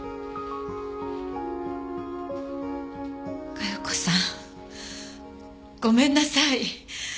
加代子さんごめんなさい。